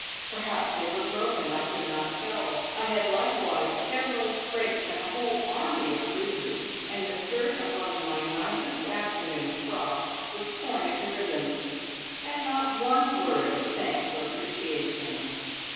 Perhaps they were broken I could not tell. I had likewise several scrapes and a whole army of bruises, and the skirt of one of my nicest afternoon frocks was torn into ribbons. And not one word of thanks or appreciation.